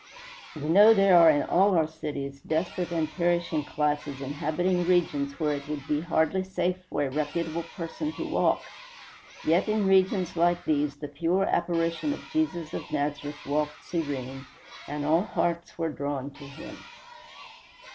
We know there are in all our cities desperate and perishing classes inhabiting regions where it would be hardly safe for a reputable person to walk. Yet in regions like these the pure apparition of Jesus of Nazareth walked serene, and all hearts were drawn to him.